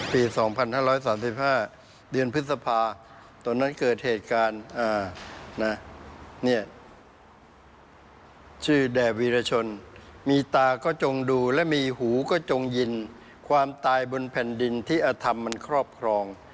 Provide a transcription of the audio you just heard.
ปี๒๕๓๕เดือนพฤษภาตอนนั้นเกิดเหตุการณ์ชื่อแด่วีรชนมีตาก็จงดูและมีหูก็จงยินความตายบนแผ่นดินที่อธรรมมันครอบครอง